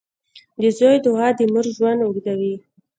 • د زوی دعا د مور ژوند اوږدوي.